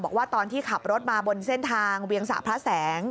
บอกว่าตอนที่ขับรถมาบนเส้นทางเวียงสะพระแสง